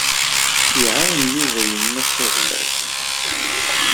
Iɛawen Yuba yemma-s iḍelli?